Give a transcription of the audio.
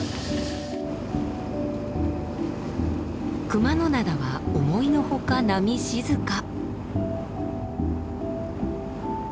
熊野灘は思いのほか波静か。